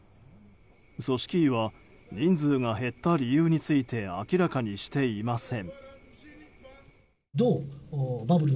組織委は人数が減った理由について明らかにしていません。